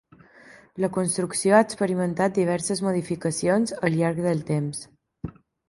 La construcció ha experimentat diverses modificacions al llarg del temps.